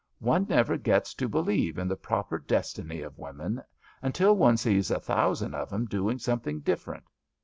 One never gets to believe in the proper destiny of woman until one sees a thousand of 'em doing something different.